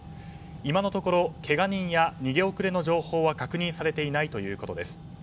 今のところけが人や逃げ遅れの情報は確認されていないということです。